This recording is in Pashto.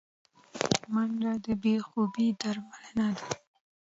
منډه د بې خوبي درملنه ده